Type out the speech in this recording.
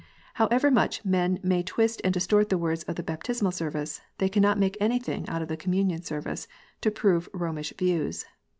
However much men may twist and distort the words of the Baptismal Service, they cannot make anything out of the Communion Service, to prove Romish views.